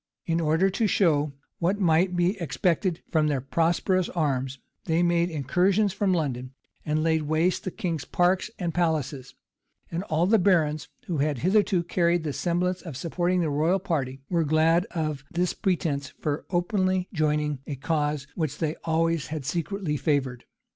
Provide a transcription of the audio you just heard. [] In order to show what might be expected from their prosperous arms, they made incursions from London, and laid waste the king's parks and palaces; and all the barons, who had hitherto carried the semblance of supporting the royal party, were glad of this pretence for openly joining a cause which they always had secretly favored.